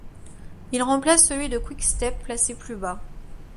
Il remplace celui de Quick Step, placé plus bas.